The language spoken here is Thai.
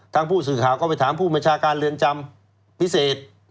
ทางผู้สื่อข่าวก็ไปถามผู้บัญชาการเรือนจำพิเศษ